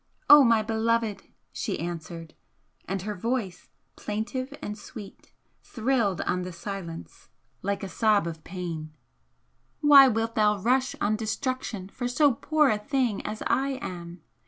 "Oh, my beloved!" she answered, and her voice, plaintive and sweet, thrilled on the silence like a sob of pain "Why wilt thou rush on destruction for so poor a thing as I am?